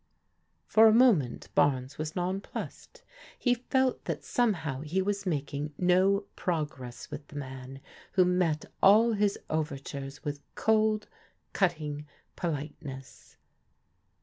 For a moment Barnes was nonplussed. He felt that somehow he was making no progress with the man who met all his overtures with cold, cutting politeness.